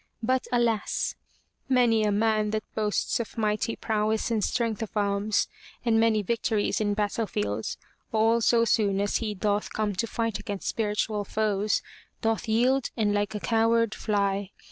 But, alas! Many a man that boasts of mighty prowess and strength of arms, and many victories in battle 40 FROM THE TOWER WINDOW fields, all so soon as he doth come to fight against spiritual foes, doth yield and like a coward fly.